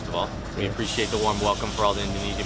kami mengucapkan selamat datang kepada semua orang indonesia